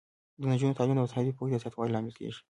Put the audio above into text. د نجونو تعلیم د مذهبي پوهې د زیاتوالي لامل کیږي.